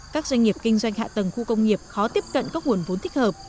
các doanh nghiệp kinh doanh hạ tầng khu công nghiệp khó tiếp cận các nguồn vốn thích hợp